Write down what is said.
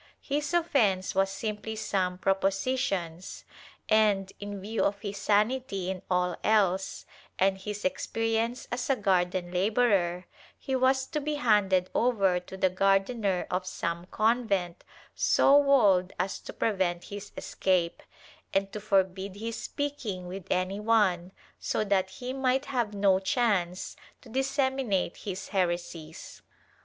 His offence was simply some ''propositions" and, in view of his sanity in all else, and his experience as a garden laborer, he was to be handed over to the gardener of some convent so walled as to prevent his escape, and to forbid his speaking with any one, so that he might have no chance to disseminate his heresies.